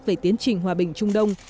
về tiến trình hòa bình trung đông